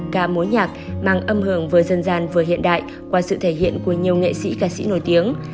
ca mối nhạc mang âm hưởng vừa dân gian vừa hiện đại qua sự thể hiện của nhiều nghệ sĩ ca sĩ nổi tiếng